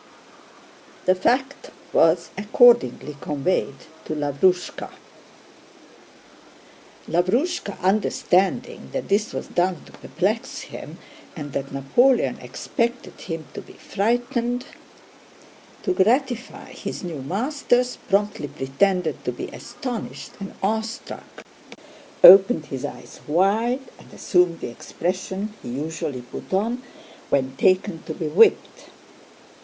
The fact was accordingly conveyed to Lavrúshka. Lavrúshka, understanding that this was done to perplex him and that Napoleon expected him to be frightened, to gratify his new masters promptly pretended to be astonished and awe struck, opened his eyes wide, and assumed the expression he usually put on when taken to be whipped.